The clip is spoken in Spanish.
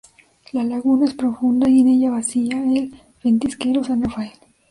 La laguna es profunda y en ella vacía el ventisquero San Rafael.